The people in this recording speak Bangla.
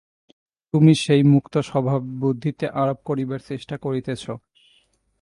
তুমি সেই মুক্ত স্বভাব বুদ্ধিতে আরোপ করিবার চেষ্টা করিতেছ।